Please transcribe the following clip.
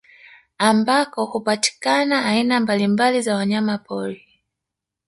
Ambako hupatikana aina mbalimbali za wanyamapori